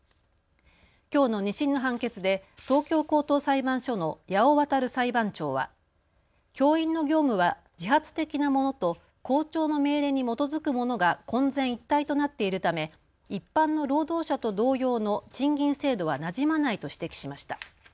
きょうの２審の判決で東京高等裁判所の矢尾渉裁判長は教員の業務は自発的なものと校長の命令に基づくものが混然一体となっているため一般の労働者と同様の賃金制度はなじまないと指摘しました。